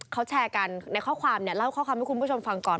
เขาแชร์กันในข้อความเนี่ยเล่าข้อคำให้คุณผู้ชมฟังก่อน